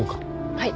はい。